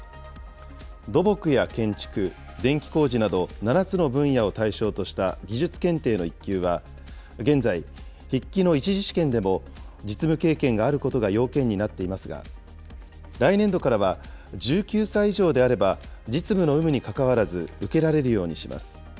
土木や建築、電気工事など７つの分野を対象とした技術検定の１級は、現在、筆記の１次試験でも実務経験があることが要件になっていますが、来年度からは、１９歳以上であれば実務の有無にかかわらず、受けられるようにします。